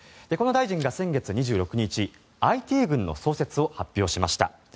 この大臣が先月２６日ＩＴ軍の創設を発表しました。